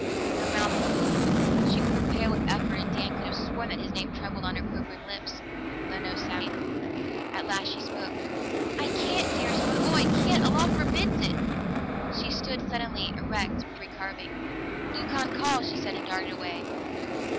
Her mouth moved; she grew pale with effort and Dan could have sworn that his name trembled on her quivering lips, though no sound came. At last she spoke. "I can't, dearest one! Oh, I can't! A law forbids it!" She stood suddenly erect, pallid as an ivory carving. "Leucon calls!" she said, and darted away.